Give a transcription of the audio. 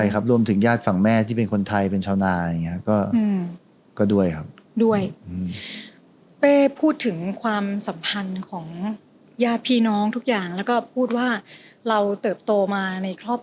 ก็เลยเอ้ยมาฟังอันใหม่ก่อนแล้วจะด่าอะไรก็ว่าไป